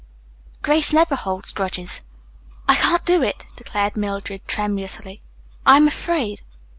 Grace never holds grudges." "I can't do it," declared Mildred tremulously, "I am afraid."